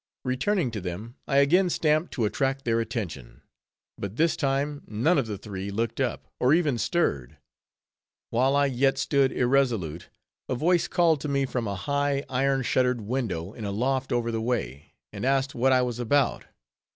Returning to them, I again stamped to attract their attention; but this time, none of the three looked up, or even stirred. While I yet stood irresolute, a voice called to me from a high, iron shuttered window in a loft over the way; and asked what I was about.